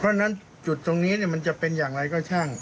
เพราะฉะนั้นจุดตรงนี้มันจะเป็นอย่างไรก็ช่าง